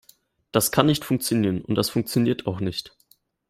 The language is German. Das kann nicht funktionieren, und das funktioniert auch nicht!